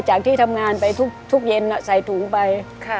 ที่ทำงานไปทุกเย็นใส่ถุงไป